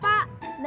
di jalan sama bapak